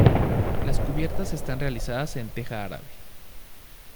Las cubiertas están realizadas en teja árabe.